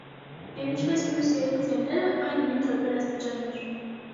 Եվ ինչպես մյուս երեք ձայները, այն ունի տարբեր աստիճաններ։